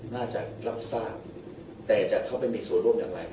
น่าจะรับทราบแต่จะเข้าไปมีส่วนร่วมอย่างไร